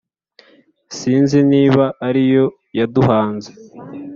Sinzi niba ariyo yaduhanze